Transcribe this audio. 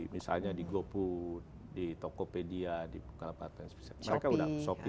misalnya di go put di tokopedia di bukalapak mereka sudah shopee sudah gabung semua